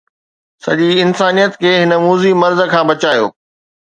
سڄي انسانيت کي هن موذي مرض کان بچايو